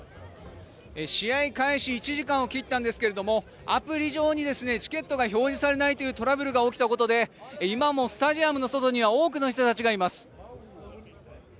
試合開始１時間を切ったんですけれどもアプリ上にチケットが表示されないというトラブルが起きたことで今もスタジアムの外には多くの人たちがいます。